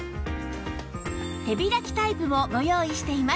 手開きタイプもご用意しています